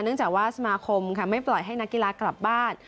จากว่าสมาคมไม่ปล่อยให้นักกีฬากลับบ้าน